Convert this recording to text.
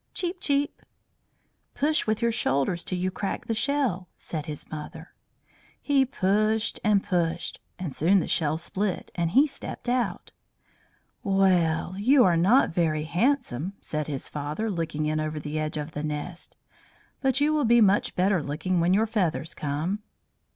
"Cheep! Cheep!" "Push with your shoulders till you crack the shell," said his mother. He pushed and pushed, and soon the shell split, and he stepped out. "Well, you are not very handsome," said his father, looking in over the edge of the nest, "but you will be much better looking when your feathers come."